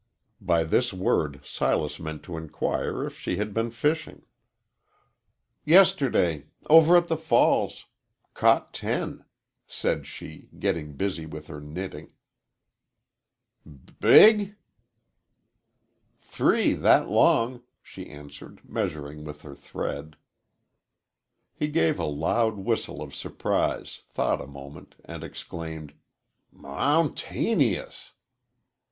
By this word Silas meant to inquire if she had been fishing. "Yesterday. Over at the falls caught ten," said she, getting busy with her knitting. "B big?" "Three that long," she answered, measuring with her thread. He gave a loud whistle of surprise, thought a moment, and exclaimed, "M mountaneyous!"